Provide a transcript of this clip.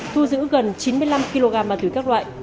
thu giữ gần chín mươi năm kg ma túy các loại